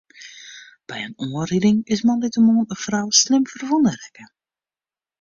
By in oanriding is moandeitemoarn in frou slim ferwûne rekke.